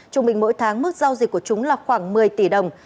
trung bình mỗi tháng mức giao dịch của chúng là khoảng một mươi tỷ đồng